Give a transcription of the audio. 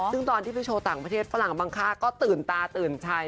ซึ่งตอนที่ไปโชว์ต่างประเทศฝรั่งบางค่าก็ตื่นตาตื่นใจ